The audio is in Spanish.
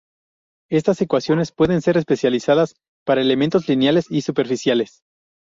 Estas ecuaciones pueden ser especializadas para elementos lineales y superficiales.